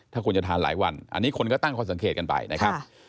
ถ้าคุณจะทานหลายวันอันนี้คนก็ตั้งข้อสังเกตกันไปนะครับ